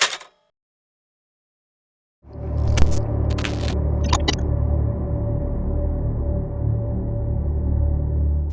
อันดับสร้างผิดหัววันสุดท้าย